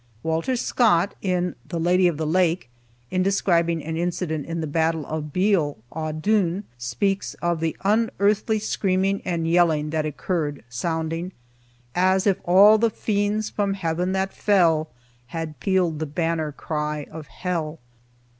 Walter Scott, in "The Lady of the Lake," in describing an incident of the battle of Beal' an Duine, speaks of the unearthly screaming and yelling that occurred, sounding "As if all the fiends from heaven that fell Had pealed the banner cry of hell."